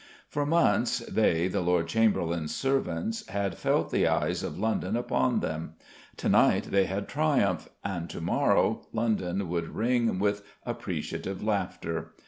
For months they, the Lord Chamberlain's servants, had felt the eyes of London upon them: to night they had triumphed, and to morrow London would ring with appreciative laughter.